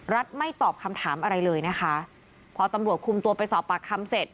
รัฐไม่ตอบคำถามอะไรเลยนะคะพอตำรวจคุมตัวไปสอบปากคำเสร็จ